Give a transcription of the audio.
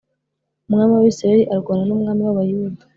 Umwami w Abisirayeli arwana n umwami w Abayuda